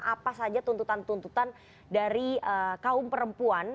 apa saja tuntutan tuntutan dari kaum perempuan